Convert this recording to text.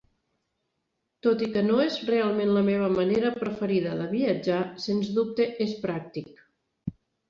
Tot i que no és realment la meva manera preferida de viatjar, sens dubte és pràctic.